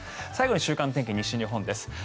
最後に週間の天気、西日本です。